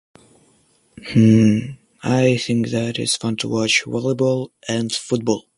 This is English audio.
Uhm, I think that it's fun to watch volleyball and football